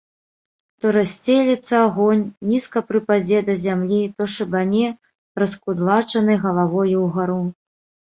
То рассцелецца агонь, нізка прыпадзе да зямлі, то шыбане раскудлачанай галавою ўгару.